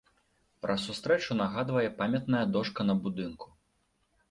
Пра сустрэчу нагадвае памятная дошка на будынку.